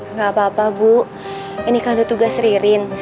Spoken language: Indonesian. nggak apa apa bu ini kan tugas ririn